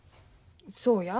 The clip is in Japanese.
そうや。